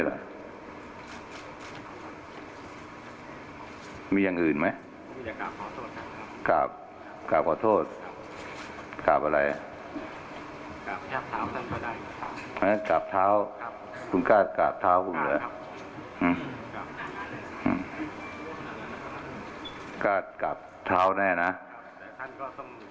แต่ท่านก็ต้องกล้าถอนฟองผมนะครับ